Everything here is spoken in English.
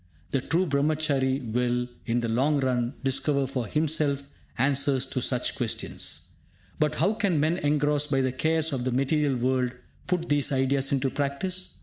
The true Brahmachary will, in the long run, discover for himself answers to such questions. But how can men engrossed by the cares of the material world put these ideas into practice?